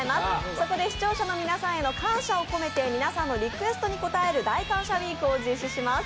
そこで視聴者の皆さんへの感謝を込めて、皆さんのリクエストに応える大感謝ウィークを実施します。